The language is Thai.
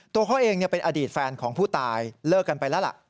ตัวเขาเองเป็นอดีตแฟนของผู้ตายเลิกกันไปแล้วล่ะ